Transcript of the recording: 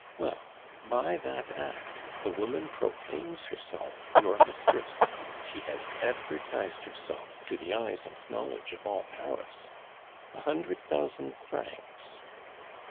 Well, by that act the woman proclaims herself your mistress; she has advertised herself to the eyes and knowledge of all Paris: A hundred thousand francs.